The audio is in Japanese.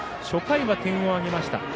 初回は点を挙げました。